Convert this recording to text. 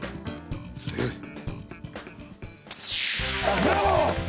ブラボー！